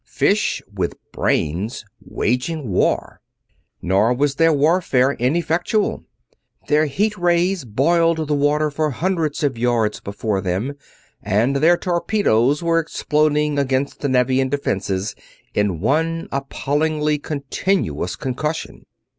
Fish with brains, waging war! Nor was their warfare ineffectual. Their heat rays boiled the water for hundreds of yards before them and their torpedoes were exploding against the Nevian defenses in one appallingly continuous concussion.